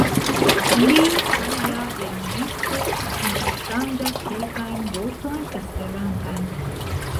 Li kaj la vendisto interŝanĝas kelkajn vortojn esperantajn.